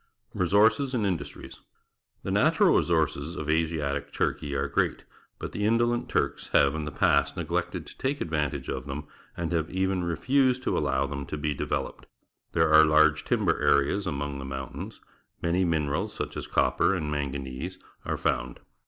Resources and Industries. — The natural resources of Asiatic Turkey are great, but the indolent Turks have in the past neglect ed to take advantage of them and have PALESTINE 211 even refused to allow them to be developed. There are large timber areas among the mountains. Manj' minerals, such as copper and manganese, are found.